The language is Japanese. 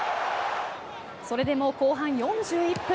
それでも後半４１分。